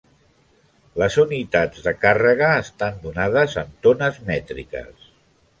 Les unitats de càrrega estan donades en tones mètriques.